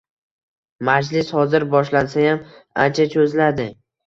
Majlis hozir boshlansayam ancha cho`ziladi